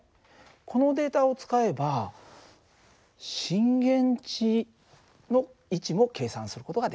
このデータを使えば震源地の位置も計算する事ができるんだ。